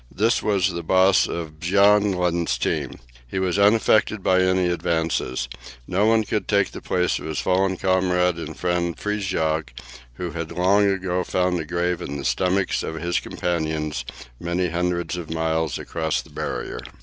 This was the boss of Bjaaland's team. He was unaffected by any advances; no one could take the place of his fallen comrade and friend, Frithjof, who had long ago found a grave in the stomachs of his companions many hundreds of miles across the Barrier.